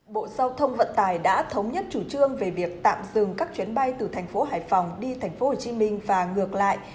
bộ giao thông vận tài đã thống nhất chủ trương về việc tạm dừng các chuyến bay từ thành phố hải phòng đi thành phố hồ chí minh và ngược lại